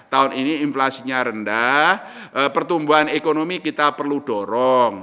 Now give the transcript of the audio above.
tahun ini inflasinya rendah pertumbuhan ekonomi kita perlu dorong